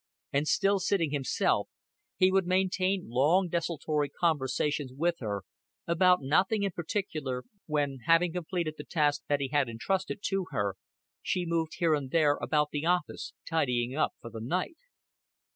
And still sitting himself, he would maintain long desultory conversations with her about nothing in particular when, having completed the tasks that he had entrusted to her, she moved here and there about the office tidying up for the night.